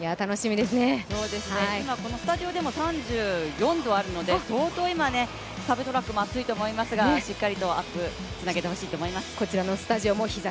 今、このスタジオでも３４度あるので相当今、サブトラックも暑いと思いますが、しっかりとアップ、つなげていっていただきたいと思います。